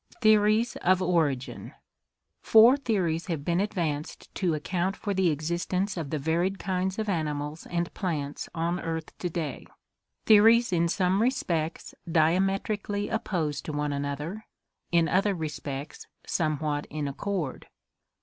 Theories of Origin* — Four theories have been advanced to ac count for the existence of the varied kinds of animals and plants on earth to day — theories in some respects diametrically opposed to one another, in other respects somewhat in accord.